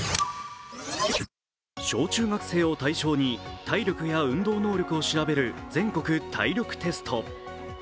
小中学生を対象に体力や運動能力を調べる全国体力テスト。